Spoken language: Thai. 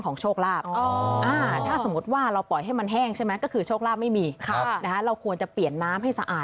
ง่ายเลยเนอะ